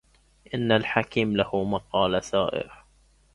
إن الحكيم له مقال سائر